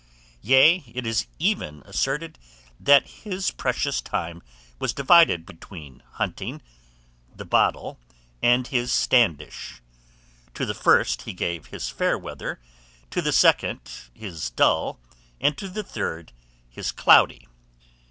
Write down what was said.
Yea, it is oven asserted that his precious time was divided between hunting, the bottle, and his standish: to the first he gave his fair weather, to the second his dull, and to the third his cloudy.